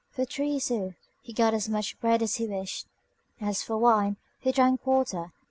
For three sous he got as much bread as he wished. As for wine, he drank water.